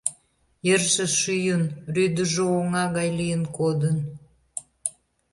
Йырже шӱйын, рӱдыжӧ оҥа гай лийын кодын.